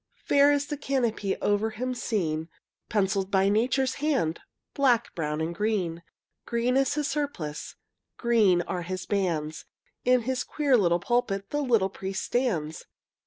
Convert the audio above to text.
Fair is the canopy Over him seen, Penciled by Nature's hand, Black, brown, and green. Green is his surplice, Green are his bands; In his queer little pulpit The little priest stands.